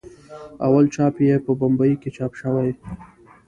اول چاپ یې په بمبئي کې چاپ شوی.